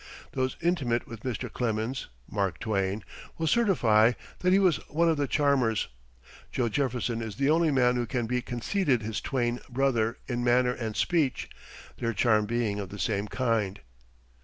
Those intimate with Mr. Clemens (Mark Twain) will certify that he was one of the charmers. Joe Jefferson is the only man who can be conceded his twin brother in manner and speech, their charm being of the same kind.